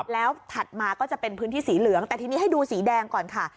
แล้วถัดมาก็จะเป็นพื้นที่สีเหลืองแต่ทีนี้ให้ดูสีแดงก่อนค่ะ